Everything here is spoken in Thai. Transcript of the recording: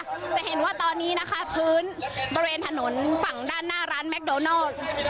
จะเห็นว่าตอนนี้นะคะพื้นบริเวณถนนฝั่งด้านหน้าร้านแมคโดนัล